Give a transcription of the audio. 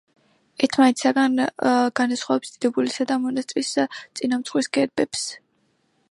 ერთმანეთისაგან განასხვავებს დიდებულისა და მონასტრის წინამძღვრის გერბებს.